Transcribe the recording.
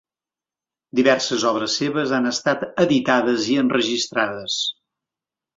Diverses obres seves han estat editades i enregistrades.